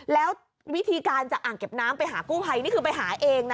แล้ววิธีการจากอ่างเก็บน้ำไปหากู้ภัยนี่คือไปหาเองนะ